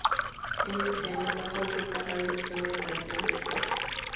En este año pasó a ocupar la dirección del plantel el Prof.